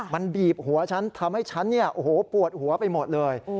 มันบีบหัวฉันทำให้ฉันปวดหัวไปหมดเลย